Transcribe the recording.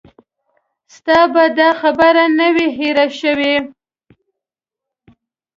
ستا به دا خبره نه وي هېره شوې.